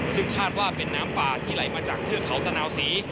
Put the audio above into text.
ซึ่งคาดว่าเป็นน้ำป่าที่ไหลมาจากเทือกเขาตะนาวศรี